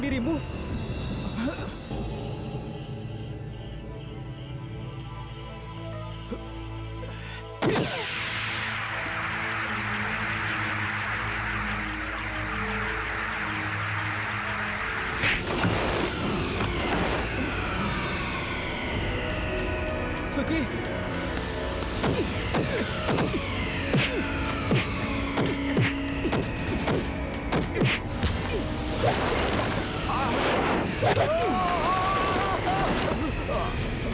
nah ia bukan suci